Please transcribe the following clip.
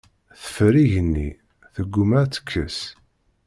Teffer igenni, tegguma ad tekkes.